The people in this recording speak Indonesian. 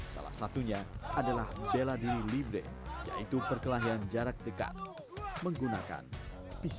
salah satunya adalah bela diri libre yaitu perkelahian jarak dekat menggunakan pisang